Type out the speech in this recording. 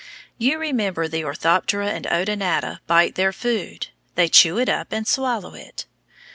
You remember the Orthoptera and Odonata bite their food. They chew it up and swallow it.